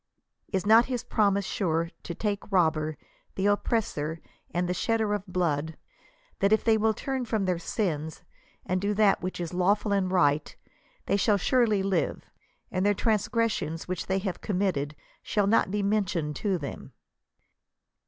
Is not his pro mise sure, to tke robber, the oppressor, and the shedder of t 14 l^lood, that if they will turn from their sins and do that which is lawful and right, they shall surely live, and their transgressions which they have committed shall not be mentioned to them